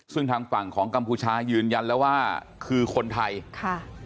ซึ่งทางฝั่งของกัมพูชายืนยันแล้วว่าคือคนไทยค่ะ